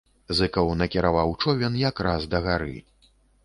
Зыкаў накіраваў човен якраз да гары.